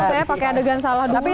saya pakai adegan salah dulu